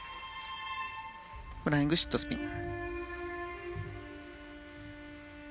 フライングシットスピン。